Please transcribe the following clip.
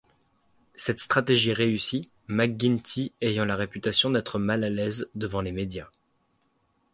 Cette stratégie réussit, McGuinty ayant la réputation d'être mal à l'aise devant les médias.